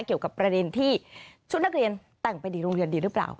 เกี่ยวกับประเด็นที่ชุดนักเรียนแต่งไปดีโรงเรียนดีหรือเปล่า